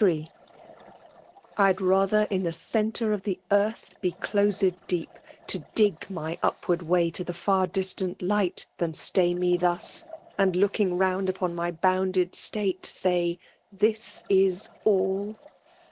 r Vd rather in the centre of the earth Be closed deep, to dig my upward way To the far dUtant light, than stay me thoiiy And, looking round upon my bounded statei Say— Thiaisall!